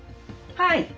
はい。